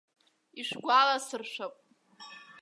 Ишәгәаласыршәап.